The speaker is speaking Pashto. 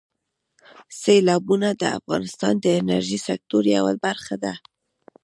سیلابونه د افغانستان د انرژۍ سکتور یوه برخه ده.